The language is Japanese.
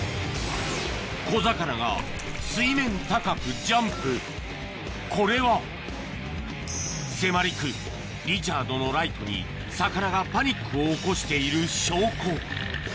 小魚がこれは迫り来るリチャードのライトに魚がパニックを起こしている証拠